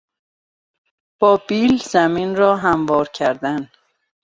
با بیل زمین را هموار کردن